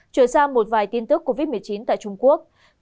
chuyển sang một vài tin tức covid một mươi chín tại trung quốc